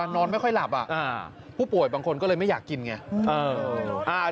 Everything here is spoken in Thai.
นอนไม่ค่อยหลับผู้ป่วยบางคนก็เลยไม่อยากกินไง